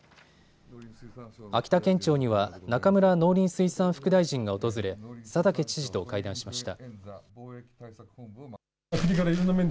秋田県庁には中村農林水産副大臣が訪れ佐竹知事と会談しました。